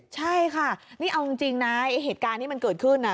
ใช่ค่ะนี่เอาจริงนะไอ้เหตุการณ์ที่มันเกิดขึ้น